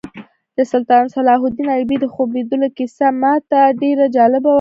د سلطان صلاح الدین ایوبي د خوب لیدلو کیسه ماته ډېره جالبه وه.